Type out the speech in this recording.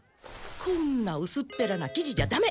こんなうすっぺらな生地じゃダメ。